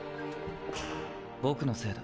僕のせいだ。